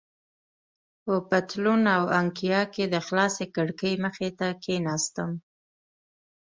په پتلون او انګیا کې د خلاصې کړکۍ مخې ته کېناستم.